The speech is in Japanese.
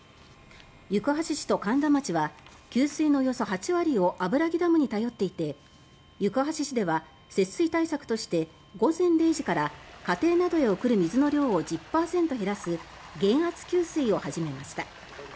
行橋市と苅田町は給水のおよそ８割を油木ダムに頼っていて行橋市では節水対策として午前０時から家庭などへ送る水の量を１０％減らす減圧給水を始めました。